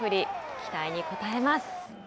期待に応えます。